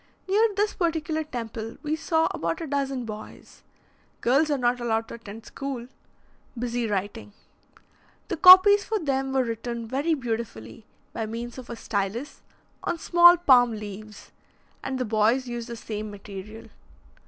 Near this particular temple, we saw about a dozen boys girls are not allowed to attend school busy writing. The copies for them were written very beautifully, by means of a stylus, on small palm leaves, and the boys used the same material.